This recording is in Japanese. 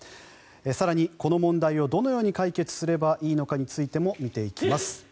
更に、この問題をどのように解決すればいいのかについても見ていきます。